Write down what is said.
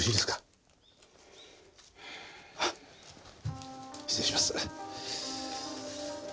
あっ失礼します。